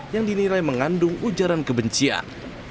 yang dinilai mengandung ujaran kebencian